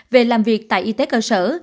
về làm việc tại y tế cơ sở